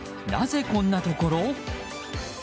なぜこんなところ？